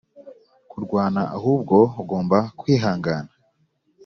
kurwana ahubwo agomba kwihangana